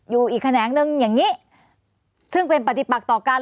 อยู่อีกแขนงนึงอย่างนี้ซึ่งเป็นปฏิปักต่อกัน